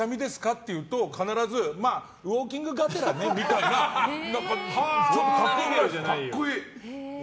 って言うと必ず、まあウォーキングがてらねみたいなね。